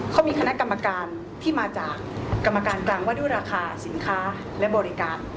เขามีคณะกรรมการที่มาจากกรรมการกลางว่าด้วยราคาสินค้าและบริการ